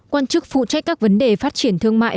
quan chức phụ trách các vấn đề phát triển thương mại